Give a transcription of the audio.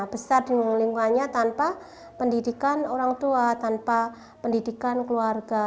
besar di lingkungannya tanpa pendidikan orang tua tanpa pendidikan keluarga